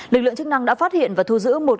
lực lượng chức năng đã phát hiện và thu giữ